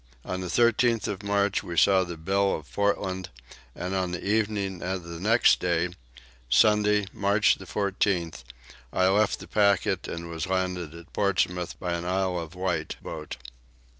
On the 13th of March we saw the Bill of Portland and on the evening of the next day, Sunday March the 14th, I left the packet and was landed at Portsmouth by an Isle of Wight boat.